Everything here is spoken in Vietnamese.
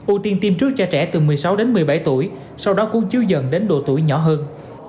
ưu tiên tiêm trước cho trẻ từ một mươi sáu đến một mươi bảy tuổi sau đó cuốn chiếu dần đến độ tuổi nhỏ hơn